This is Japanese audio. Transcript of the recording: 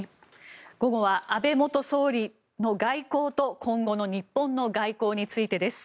午後は安倍元総理の外交と今後の日本の外交についてです。